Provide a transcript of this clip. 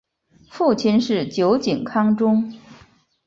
父亲是酒井康忠。